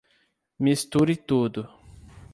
Misture tudo